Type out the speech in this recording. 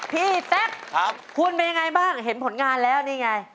พี่แซ่บพูดไปยังไงบ้างเห็นผลงานแล้วนี่ไง